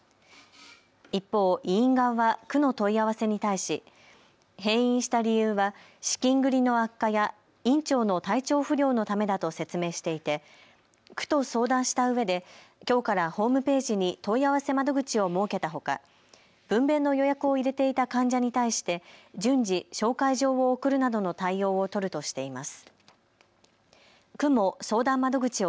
一方、医院側は区の問い合わせに対し閉院した理由は資金繰りの悪化や院長の体調不良のためだと説明していて、区と相談したうえできょうからホームページに問い合わせ窓口を設けたほか分べんの予約を入れていた患者に対して順次、紹介状を送るなどの対応を取るとしています。